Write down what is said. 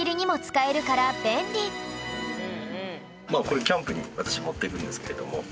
これキャンプに私持っていくんですけれども。